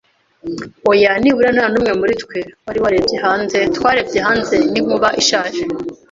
oya. Nibura, nta numwe muri twe wari warebye hanze. Twarebye hanze, n'inkuba, ishaje